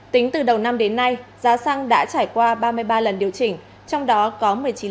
tính từ đầu năm đến nay giá xăng đã trải qua ba mươi ba lần điều chỉnh trong đó có một mươi chín